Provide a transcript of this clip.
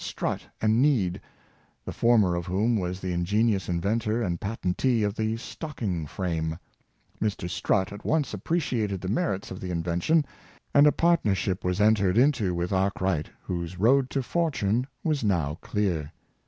Strutt and Need, the former of whom was the ingenious inventor and patentee of the stocking frame. Mr. Strutt at once appreciated the merits of 212 Richard Arkwright^ Manufacturer, the invention, and a partnership was entered into with Arkwright, whose road to fortune was now clear.